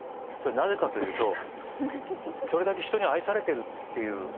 それなぜかというとそれだけ人に愛されてるっていう。